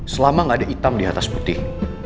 selama gak ada hitam di atas putih